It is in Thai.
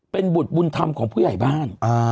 เป็นบุตรบุญธรรมของผู้ใหญ่บ้าน